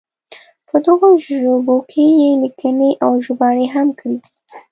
په دغو ژبو کې یې لیکنې او ژباړې هم کړې دي.